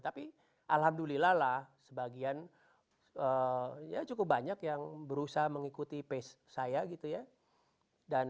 tapi alhamdulillah lah sebagian ya cukup banyak yang berusaha mengikuti pace saya gitu ya